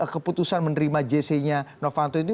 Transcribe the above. keputusan menerima jc nya novanto ini